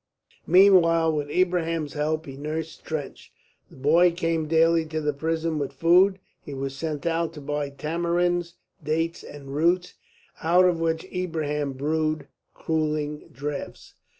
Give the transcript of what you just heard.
Meanwhile with Ibrahim's help he nursed Trench. The boy came daily to the prison with food; he was sent out to buy tamarinds, dates, and roots, out of which Ibrahim brewed cooling draughts.